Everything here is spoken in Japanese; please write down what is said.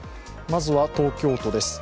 まずは東京都です。